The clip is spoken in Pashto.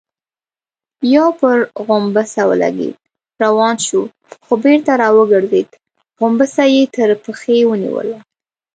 يو پر غومبسه ولګېد، روان شو، خو بېرته راوګرځېد، غومبسه يې تر پښې ونيوله.